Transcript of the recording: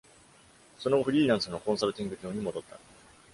その後、フリーランスのコンサルティング業に戻った。